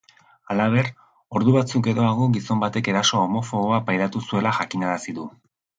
Halaber, ordu batzuk geroago gizon batek eraso homofoboa pairatu zuela jakinarazi du.